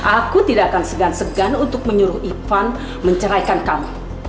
aku tidak akan segan segan untuk menyuruh ivan menceraikan kami